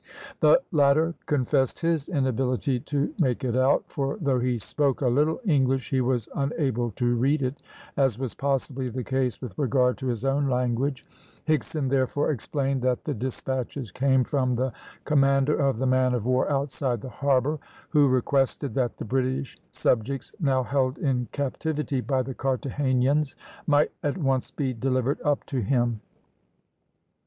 The latter confessed his inability to make it out; for though he spoke a little English he was unable to read it, as was possibly the case with regard to his own language. Higson therefore explained that the despatches came from the commander of the man of war outside the harbour, who requested that the British subjects now held in captivity by the Carthagenans might at once be delivered up to him.